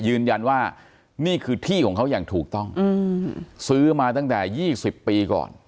ยืนยันว่านี่คือที่ของเขาอย่างถูกต้องซื้อมาตั้งแต่๒๐ปีก่อน